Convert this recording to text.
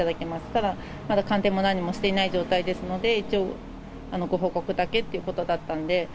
ただ、まだ鑑定も何もしていない状態ですので、一応、ご報告だけということだったので。